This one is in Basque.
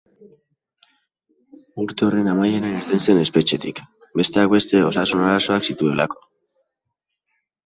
Urte horren amaieran irten zen espetxetik, besteak beste, osasun-arazoak zituelako.